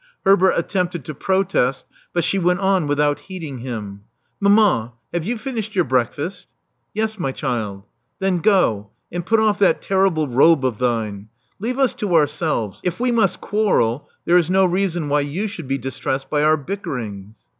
Herbert attempted to protest; but she went on without heeding him. *• Mamma: have you finished your breakfast?" *'Yes, my child." Then go; and put off that terrible robe of thine. Leave us to ourselves: if we must quarrel, there is no reason why you should be distressed by our bickerings.